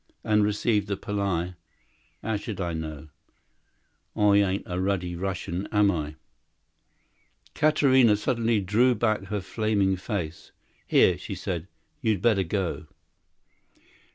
and received a reply: "Owshdiknow? I ain't a ruddy Russian, am I?" Katarina suddenly drew back her flaming face. "Here," she said, "you better go."